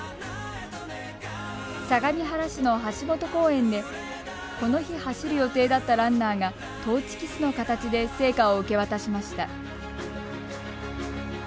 相模原市の橋本公園でこの日走る予定だったランナーがトーチキスの形で聖火を受け渡しました。